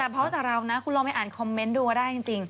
เพราะจากเรานะคุณลองไปอ่านคอมเมนต์ดูก็ได้จริง